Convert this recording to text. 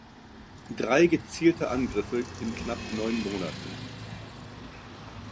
Drei gezielte Angriffe in knapp neun Monaten.